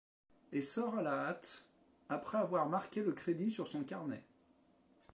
et sort à la hâte, après avoir marqué le crédit sur son carnet.